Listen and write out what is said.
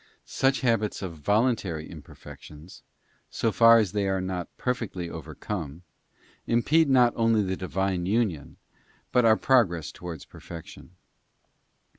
Some habits of voluntary im perfections, so far as they are never perfectly overcome, impede not only the Divine union but our progress towards perfection.